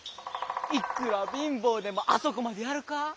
いくら貧乏でもあそこまでやるか？